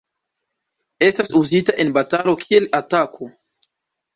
Estas uzita en batalo kiel atako.